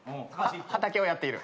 畑をやっている？